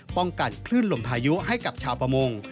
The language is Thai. ป้องกันคลื่นลมพายุให้กับชาวประมง